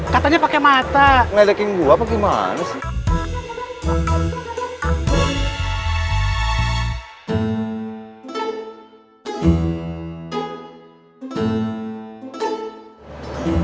katanya pakai mata ngeledekin gua bagaimana sih